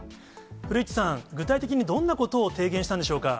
古市さん、具体的にどんなことを提言したんでしょうか。